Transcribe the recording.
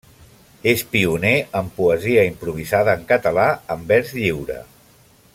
És pioner en poesia improvisada en català en vers lliure.